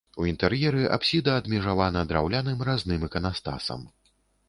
У інтэр'еры апсіда адмежавана драўляным разным іканастасам.